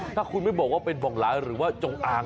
ถ้าคุณไม่บอกว่าเป็นบ่องร้ายหรือว่าจงอาง